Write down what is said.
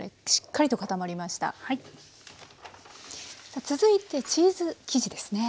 さあ続いてチーズ生地ですね。